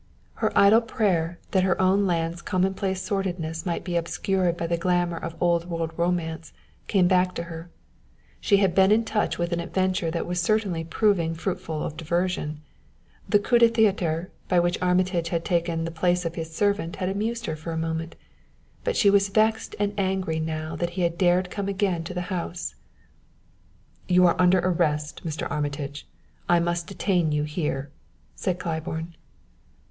Her idle prayer that her own land's commonplace sordidness might be obscured by the glamour of Old World romance came back to her; she had been in touch with an adventure that was certainly proving fruitful of diversion. The coup de théâtre by which Armitage had taken the place of his servant had amused her for a moment; but she was vexed and angry now that he had dared come again to the house. "You are under arrest, Mr. Armitage; I must detain you here," said Claiborne.